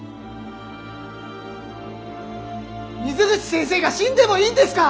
水口先生が死んでもいいんですか！？